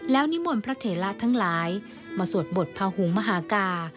แล้วนิมนต์พระเถระทั้งหลายมาสวดบทภาหุงมหากา